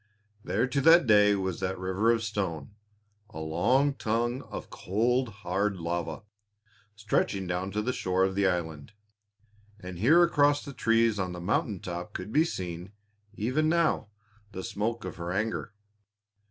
There to that day was that river of stone a long tongue of cold, hard lava stretching down to the shore of the island, and here across the trees on the mountain top could be seen, even now, the smoke of her anger.